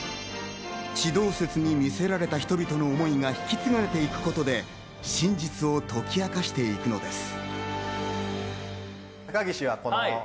地動説に魅せられた人々の思いが引き継がれていくことで、真実を解き明かしていくのです。